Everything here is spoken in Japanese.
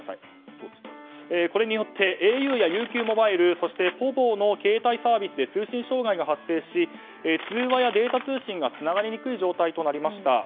これによってａｕやＵＱモバイルそしてｐｏｖｏの携帯サービスで通信障害が発生し通話やデータ通信がつながりにくい状態となりました。